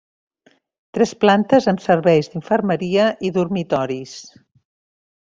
Tres plantes amb serveis d'infermeria i dormitoris.